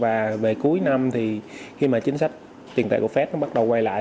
và về cuối năm thì khi mà chính sách tiền tệ của fed nó bắt đầu quay lại